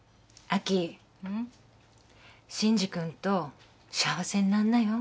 伸治君と幸せになんなよ。